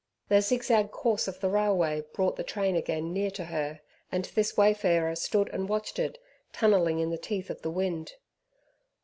The zigzag course of the railway brought the train again near to her, and this wayfarer stood and watched it tunnelling in the teeth of the wind.